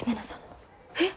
えっ！